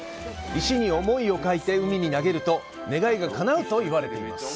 石に思いを書いて海に投げると願いが叶うと言われています。